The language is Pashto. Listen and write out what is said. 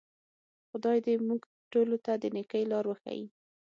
خدای دې موږ ټولو ته د نیکۍ لار وښیي.